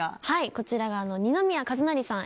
こちらが二宮和也さん